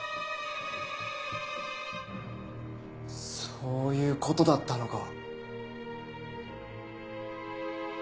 そういうことだったのか。